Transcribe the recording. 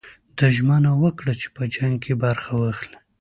ده ژمنه وکړه چې په جنګ کې برخه واخلي.